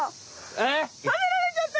えっ？